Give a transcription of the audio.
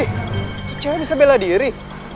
itu cewek bisa bela diri